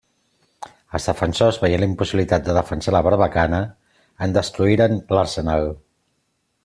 Els defensors, veient la impossibilitat de defensar la barbacana, en destruïren l'arsenal.